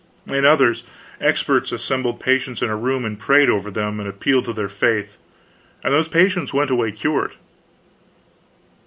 In others, experts assembled patients in a room and prayed over them, and appealed to their faith, and those patients went away cured.